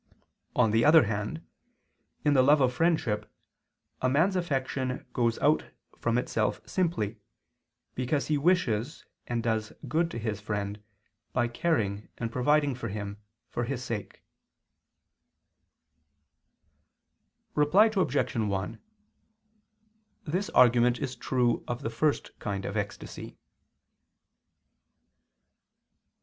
On the other hand, in the love of friendship, a man's affection goes out from itself simply; because he wishes and does good to his friend, by caring and providing for him, for his sake. Reply Obj. 1: This argument is true of the first kind of ecstasy.